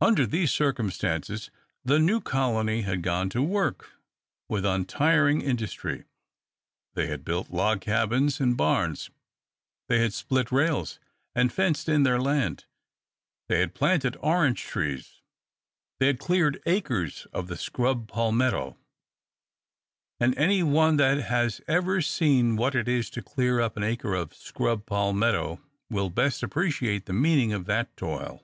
Under these circumstances, the new colony had gone to work with untiring industry. They had built log cabins and barns; they had split rails, and fenced in their land; they had planted orange trees; they had cleared acres of the scrub palmetto: and any one that ever has seen what it is to clear up an acre of scrub palmetto will best appreciate the meaning of that toil.